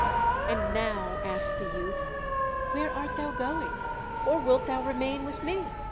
"And now," asked the youth, "where art thou going? Or wilt thou remain with me?